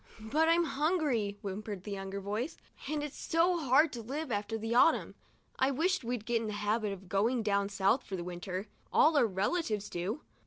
" But I'm hungry," whimpered the younger voice, "and it's so hard to live after the autumn. I wish we'd get in the habit of going down South for the winter. All our relatives do."